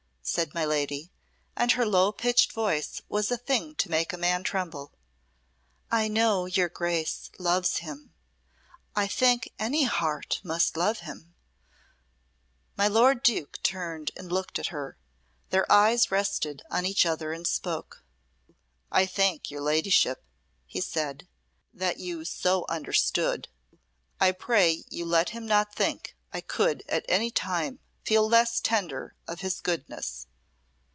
said my lady, and her low pitched voice was a thing to make a man tremble. "I know your Grace loves him I think any heart must love him " My lord Duke turned and looked at her. Their eyes rested on each other and spoke. "I thank your Ladyship," he said, "that you so understood. I pray you let him not think I could at any time feel less tender of his goodness."